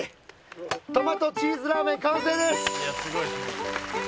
トマトチーズラーメン完成です！